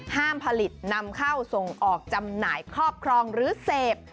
ห้ามผลิตนำเข้าส่งออกจำหน่ายครอบครองหรือเสพ